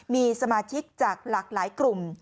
มีสมาชิกจากหลากหลายกลุ่ม